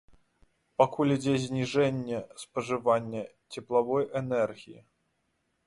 Пакуль ідзе зніжэнне спажывання цеплавой энергіі.